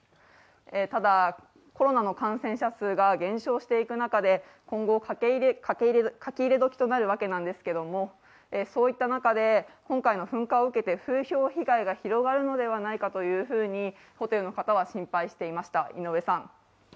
ただ、コロナの感染者数が減少していく中で、今後、書き入れ時となるわけですけど、そういった中で今回の噴火を受けて風評被害が広がるのではないかとホテルの方は心配していました。